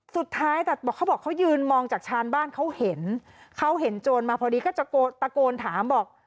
สุดท้ายแต่บอกเขาบอกเขายืนมองจากชานบ้านเขาเห็นเขาเห็นโจรมาพอดีก็จะตะโกนถามบอก